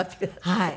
はい。